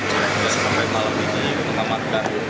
kalau tadi kemudian sampai malam ini ketamakan